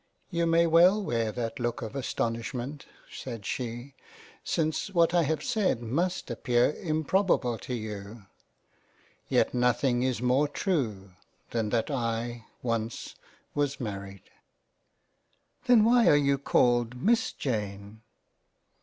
" You may well wear that look of astonishment, said she, since what I have said must appear improbable to you — Yet nothing is more true than that I once was married." " Then why are you called Miss Jane